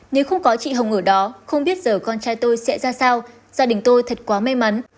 nếu không có chị hồng ở đó không biết giờ con trai tôi sẽ ra sao gia đình tôi thật quá may mắn